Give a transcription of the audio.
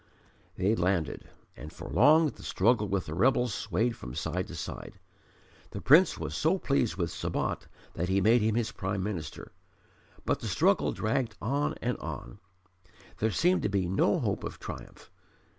They landed, and for long the struggle with the rebels swayed from side to side. The Prince was so pleased with Sabat that he made him his Prime Minister. But the struggle dragged on and on; there seemed to be no hope of triumph.